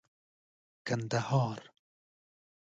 کندهار